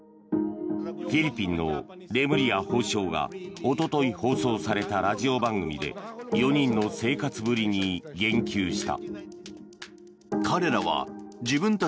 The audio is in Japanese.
フィリピンのレムリヤ法相がおととい放送されたラジオ番組で４人の生活ぶりに言及した。